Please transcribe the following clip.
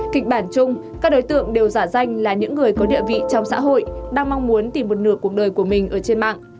kịch bản chung các đối tượng đều giả danh là những người có địa vị trong xã hội đang mong muốn tìm một nửa cuộc đời của mình ở trên mạng